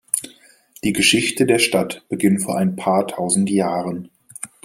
Die Geschichte der Stadt beginnt vor ein paar tausend Jahren.